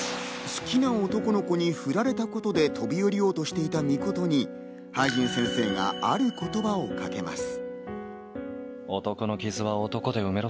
好きな男の子にフラれたことで飛び降りようとしていた扇言に灰仁先生がある言葉をかけます。